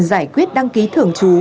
giải quyết đăng ký thường trú